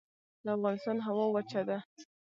د افغانستان هوا وچه ده